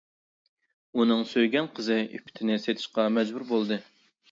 ئۇنىڭ سۆيگەن قىزى ئىپپىتىنى سېتىشقا مەجبۇر بولىدۇ.